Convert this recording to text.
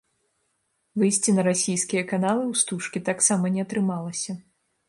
Выйсці на расійскія каналы ў стужкі таксама не атрымалася.